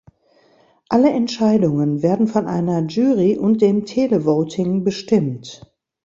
Alle Entscheidungen werden von einer Jury und dem Televoting bestimmt.